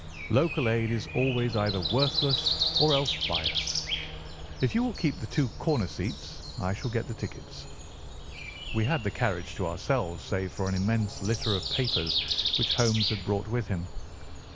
Local aid is always either worthless or else biassed. If you will keep the two corner seats I shall get the tickets." We had the carriage to ourselves save for an immense litter of papers which Holmes had brought with him.